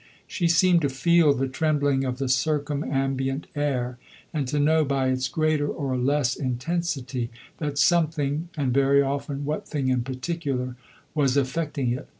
She seemed to feel the trembling of the circumambient air, and to know by its greater or less intensity that something and very often what thing in particular was affecting it.